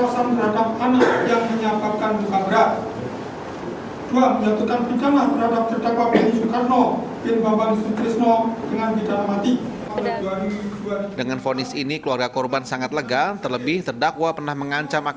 satu menyatakan terdakwa beni soekarno bin bambang soekarno terbukti secara sah dan meyakinkan bersalah melakukan tiga pidana berencana pembunuhan